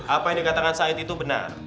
apa yang dikatakan said itu benar